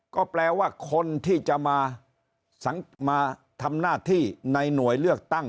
ก็แปลว่าคนที่จะมาทำหน้าที่ในหน่วยเลือกตั้ง